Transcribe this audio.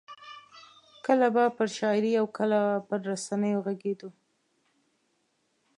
کله به پر شاعرۍ او کله پر رسنیو غږېدو.